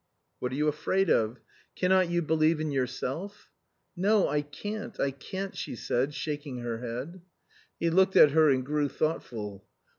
"What are you afraid of? Cannot you believe in your self?" " No, I can't, I can't !" she said, shaking her head. He looked at her and grew thoughtful.